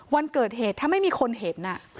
วันเกิดเหตุถ้าไม่มีคนเห็น